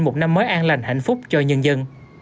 một năm mới an lành hạnh phúc cho nhân dân